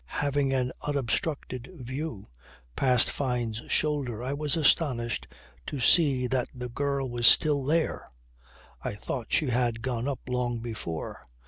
Having an unobstructed view past Fyne's shoulder, I was astonished to see that the girl was still there. I thought she had gone up long before.